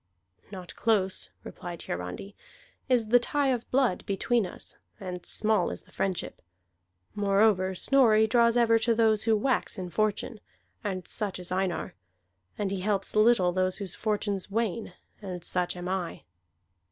"Not close," replied Hiarandi, "is the tie of blood between us, and small is the friendship. Moreover, Snorri draws ever to those who wax in fortune, and such is Einar; and he helps little those whose fortunes wane, and such am I."